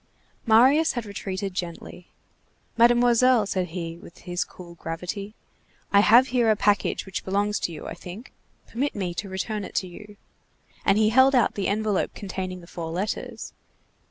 Marius had retreated gently. "Mademoiselle," said he, with his cool gravity, "I have here a package which belongs to you, I think. Permit me to return it to you." And he held out the envelope containing the four letters.